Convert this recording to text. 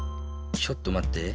ちょっとまって。